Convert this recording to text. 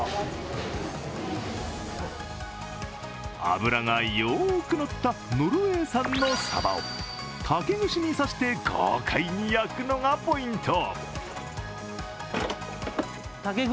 脂がよくのったノルウェー産のさばを竹串に刺して豪快に焼くのがポイント。